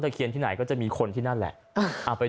เคียนที่ไหนก็จะมีคนที่นั่นแหละ